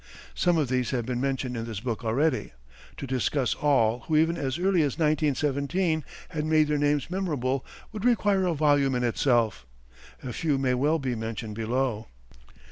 Some of these have been mentioned in this book already. To discuss all who even as early as 1917 had made their names memorable would require a volume in itself. A few may well be mentioned below.